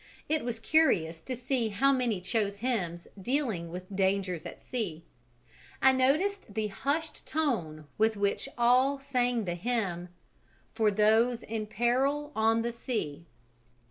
It was curious to see how many chose hymns dealing with dangers at sea. I noticed the hushed tone with which all sang the hymn, "For those in peril on the Sea."